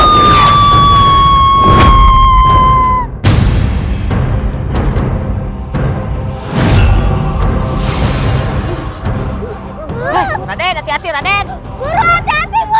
ruqyah untuk ibu